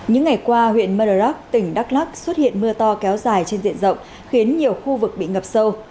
những ngày qua huyện mơ rắc tỉnh đắk lắc xuất hiện mưa to kéo dài trên diện rộng khiến nhiều khu vực bị ngập sâu